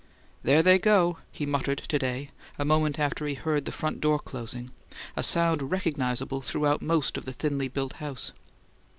"There they go!" he muttered to day, a moment after he heard the front door closing, a sound recognizable throughout most of the thinly built house.